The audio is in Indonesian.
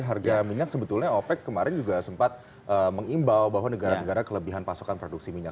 harga minyak sebetulnya opec kemarin juga sempat mengimbau bahwa negara negara kelebihan pasokan produksi minyak